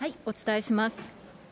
お伝えします。